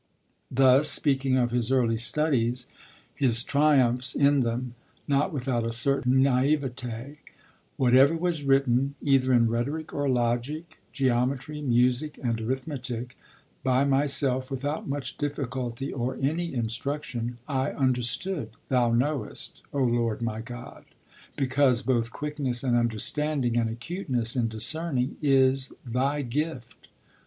Thus, speaking of his early studies, his triumphs in them, not without a certain naïveté: 'Whatever was written, either in rhetoric or logic, geometry, music, and arithmetic, by myself without much difficulty or any instruction, I understood, Thou knowest, O Lord my God; because both quickness and understanding and acuteness in discerning is Thy gift.'